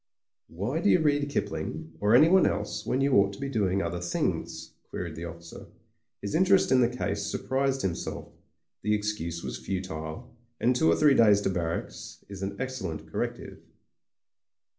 "Why do you read Kipling or anyone else when you ought to be doing other things?" queried the offi cer. His interest in the case surprised himself; the excuse was futile, and two or three days to barracks is an excellent corrective.